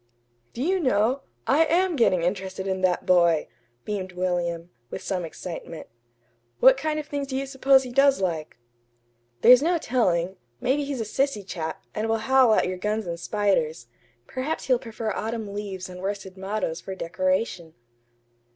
"Do you know? I AM getting interested in that boy," beamed William, with some excitement. "What kind of things do you suppose he does like?" "There's no telling. Maybe he's a sissy chap, and will howl at your guns and spiders. Perhaps he'll prefer autumn leaves and worsted mottoes for decoration."